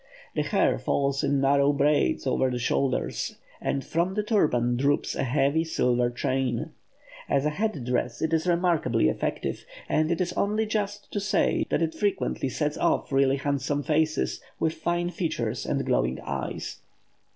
The hair falls in narrow braids over the shoulders, and from the turban droops a heavy silver chain. As a head dress it is remarkably effective; and it is only just to say that it frequently sets off really handsome faces, with fine features and glowing eyes.